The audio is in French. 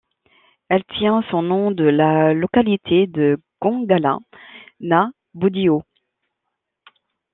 Elle tient son nom de la localité de Gangala na Bodio.